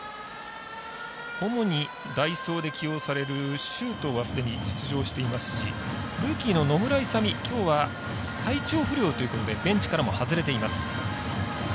主に代走で起用される周東はすでに出場していますしルーキーの野村勇きょうは体調不良ということでベンチからも外れています。